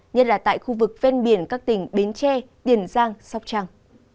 nhất là tại khu vực ven biển các tỉnh bến tre tiền giang sóc trăng